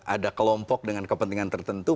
ada kelompok dengan kepentingan tertentu